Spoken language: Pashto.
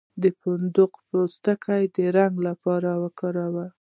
د فندق پوستکی د رنګ لپاره وکاروئ